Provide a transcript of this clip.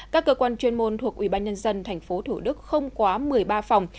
các cơ quan chuyên môn thuộc ủy ban nhân dân tp hcm không quá một mươi ba phòng